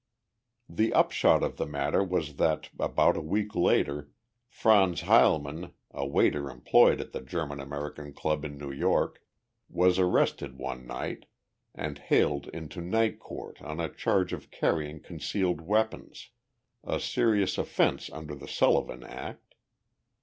The upshot of the matter was that, about a week later, Franz Heilman, a waiter employed at the German American Club in New York, was arrested one night and haled into Night Court on a charge of carrying concealed weapons a serious offense under the Sullivan Act.